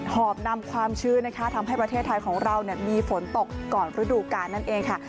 หอบนำความชื้นนะคะทำให้ประเทศไทยของเรามีฝนตกก่อนฤดูกาลนั่นเองค่ะ